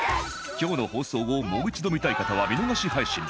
今日の放送をもう一度見たい方は見逃し配信で